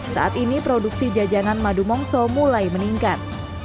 saat ini produksi jajanan madu mongso mulai meningkat